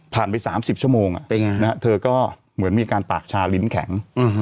ไป๓๐ชั่วโมงเธอก็เหมือนมีการปากชาลิ้นแข็ง